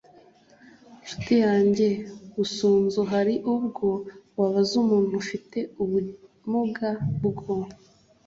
nshuti yange busunzu, hari ubwo wabaza umuntu ufite ubumuga bwo